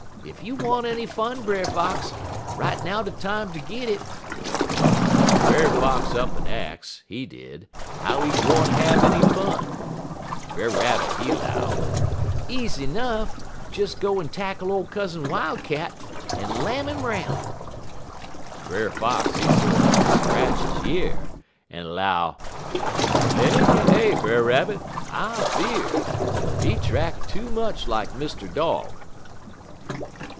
Ef you want any fun, Brer Fox, right now de time ter git it.' "Brer Fox up'n ax, he did, how he gwine have any fun. Brer Rabbit, he 'low: "'Easy 'nuff; des go en tackle ole Cousin Wildcat, en lam 'im 'roun'.' "Brer Fox, he sorter scratch he year, en 'low: "'Eh eh, Brer Rabbit, I fear'd. He track too much lak Mr. Dog.'